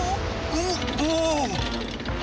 おおっお！